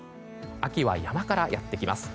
秋は山からやってきます。